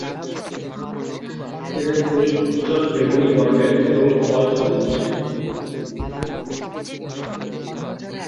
এদের ফুল উজ্জ্বল বেগুনি বর্ণের এবং ফল সবুজ।